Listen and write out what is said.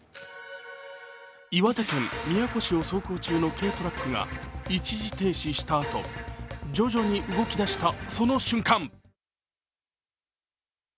岩手県宮古市を走行中の軽トラックが一時停止したあと徐々に動き出したその瞬間